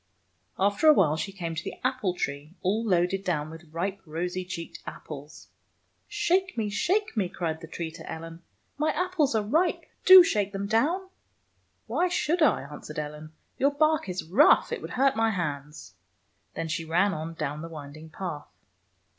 After awhile she came to the apple tree, all loaded down with ripe, rosy cheeked apples. " Shake me I Shake me!" cried the tree to Ellen. " My apples are ripe. Do shake them down! "" Why should I ?" answered Ellen. " Your bark is rough. It would hurt my hands." Then she ran on down the winding path.